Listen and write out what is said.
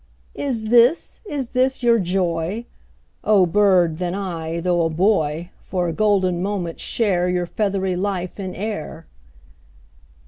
'Is this, is this your joy? O bird, then I, though a boy 10 For a golden moment share Your feathery life in air!